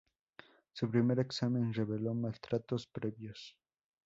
Su primer examen reveló maltratos previos.